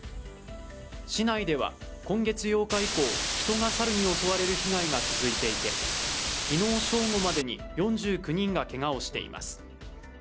市内では今月８日以降、人が猿に恐れる被害が続いていて、昨日正午までに４９人がけがをしています。